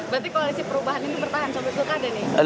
berarti koalisi perubahan ini bertahan sampai pilkada nih